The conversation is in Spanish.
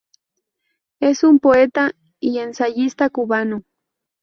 Es un poeta y ensayista cubano.